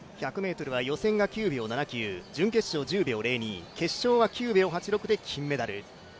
１００ｍは予選が９秒７９、決勝が１０秒０２、決勝は９秒８６で金メダル。